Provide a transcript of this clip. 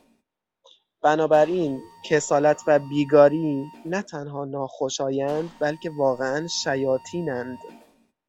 بنابراین کسالت و بیگاری نه تنها ناخوشایند بلکه واقعا شیاطینند.